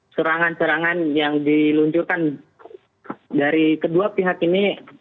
serangan serangan yang diluncurkan dari kedua pihak ini